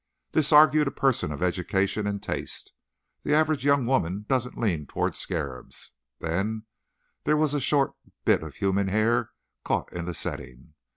This argued a person of education and taste. The average young woman doesn't lean toward scarabs. Then, there was a short bit of a human hair caught in the setting.